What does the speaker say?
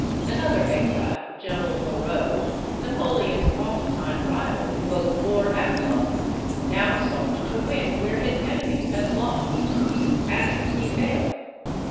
Another exile General Moreau, Napoleon's oft time rival in both war and love now sought to win where his enemy had lost. And he failed.